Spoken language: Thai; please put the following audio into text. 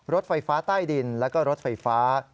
รถไฟฟ้าใต้ดินแล้วก็รถไฟฟ้า